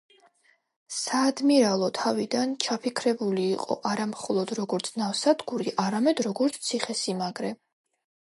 საადმირალო თავიდან ჩაფიქრებული იყო არა მხოლოდ როგორც ნავსადგური, არამედ როგორც ციხესიმაგრე.